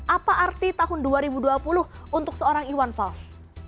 apa arti tahun dua ribu dua puluh untuk seorang iwan fals